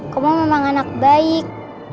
kamu memang anak baik